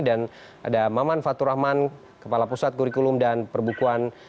dan ada maman fathur rahman kepala pusat kurikulum dan perbukuan